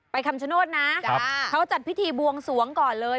คำชโนธนะเขาจัดพิธีบวงสวงก่อนเลย